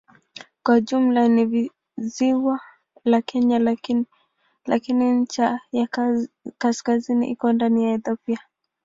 Kwa jumla ni ziwa la Kenya lakini ncha ya kaskazini iko ndani ya Ethiopia.